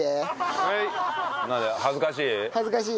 恥ずかしい？